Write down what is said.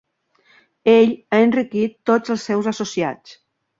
Ell ha enriquit tots els seus associats.